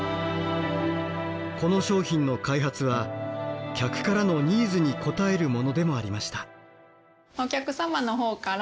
この商品の開発は客からのニーズに応えるものでもありました。